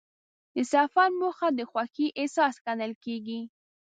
د سفر موخه د خوښۍ احساس ګڼل کېږي.